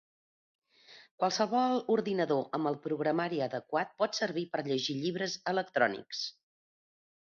Qualsevol ordinador amb el programari adequat pot servir per llegir llibres electrònics.